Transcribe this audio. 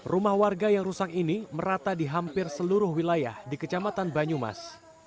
rumah warga yang rusak ini merata di hampir seluruh wilayah di kecamatan banyumas